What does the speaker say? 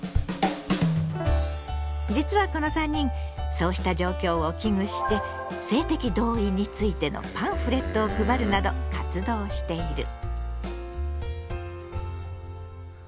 実はこの３人そうした状況を危惧して性的同意についてのパンフレットを配るなど活動している。